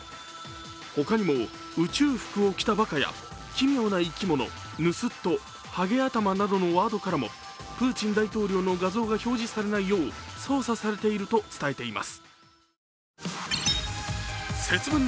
他にも、「宇宙服を着たばか」や「奇妙な生き物」、「ぬすっと」「はげ頭」などのワードからもプーチン大統領の画像が表示されないよう操作されていると伝えています。